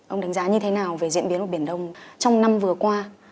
ông đánh giá như thế nào về diễn biến của biển đông trong năm vừa qua